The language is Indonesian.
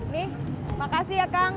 nih makasih ya kang